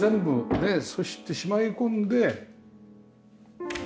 でそしてしまい込んで。